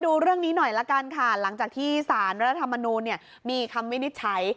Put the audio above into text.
ดูเรื่องนี้หน่อยละกันค่ะหลังจากที่สารรัฐธรรมนูลมีคำวินิจฉัย